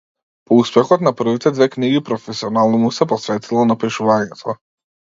По успехот на првите две книги професионално му се посветила на пишувањето.